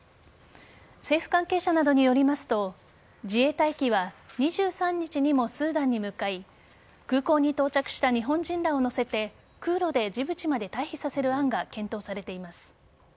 政府関係者などによりますと自衛隊機は２３日にもスーダンに向かい空港に到着した日本人らを乗せて空路でジブチまで退避させる案が検討されています。